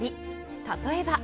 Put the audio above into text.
例えば。